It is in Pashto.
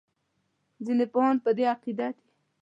ځینې پوهان په دې عقیده دي.